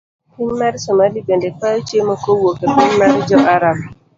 Piny mar somali bende kwayo chiemo kowuok epiny mar jo Arab.